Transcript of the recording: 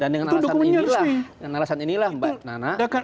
dan dengan alasan inilah mbak nana